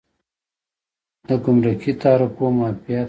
د ګمرکي تعرفو معافیت شته؟